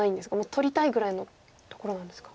取りたいぐらいのところなんですか。